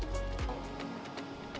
urnya saya masih ada kekuatan